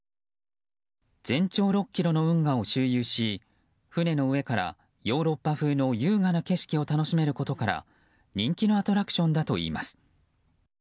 全長６ｋｍの運河を周遊し船の上からヨーロッパ風の優雅な景色を楽しめることから人気のアトラクションだといいます。